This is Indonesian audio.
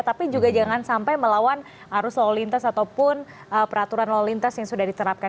tapi juga jangan sampai melawan arus lalu lintas ataupun peraturan lalu lintas yang sudah diterapkan